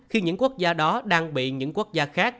khi những quốc gia đó đang bị những quốc gia kết thúc